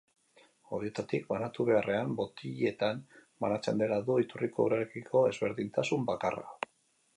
Hodietatik banatu beharrean botiletan banatzen dela du iturriko urarekiko ezberdintasun bakarra.